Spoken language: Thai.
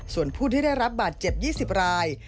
ส่วนผู้ที่ได้รับบาดเจ็บ๒๐ราย